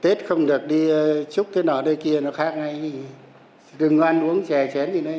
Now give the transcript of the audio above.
tết không được đi chúc thế nào ở đây kia nó khác ngay đừng ăn uống chè chén gì nữa